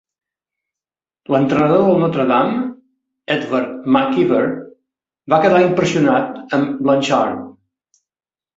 L'entrenador del Notre Dame, Edward McKeever, va quedar impressionat amb Blanchard.